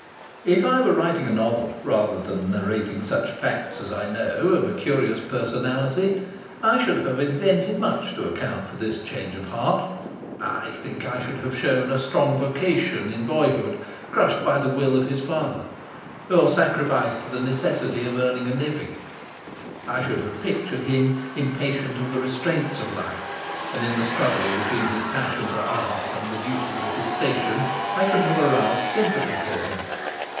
If I were writing a novel, rather than narrating such facts as I know of a curious personality, I should have invented much to account for this change of heart. I think I should have shown a strong vocation in boyhood, crushed by the will of his father or sacrificed to the necessity of earning a living; I should have pictured him impatient of the restraints of life; and in the struggle between his passion for art and the duties of his station I could have aroused sympathy for him.